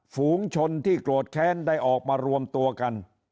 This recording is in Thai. ฝูงชนที่โกรธแค้นได้ออกมารวมตัวกัน